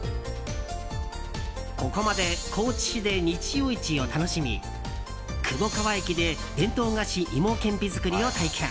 ここまで高知市で日曜市を楽しみ窪川駅で伝統菓子芋けんぴ作りを体験。